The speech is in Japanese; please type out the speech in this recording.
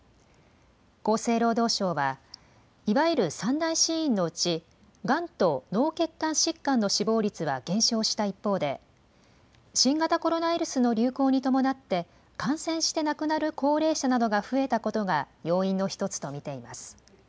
厚生労働省は、いわゆる三大死因のうち、がんと脳血管疾患の死亡率は減少した一方で、新型コロナウイルスの流行に伴って、感染して亡くなる高齢者などが増えたことが要因の一つと見ています。